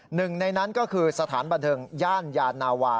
หนึ่งในนั้นก็คือสถานบันเทิงย่านยานาวา